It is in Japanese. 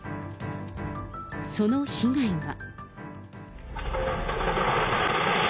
その被害は。